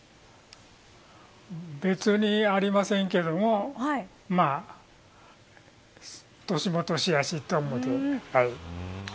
別にありませんけども年も年やし、と思って。